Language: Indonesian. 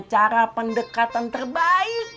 cara pendekatan terbaik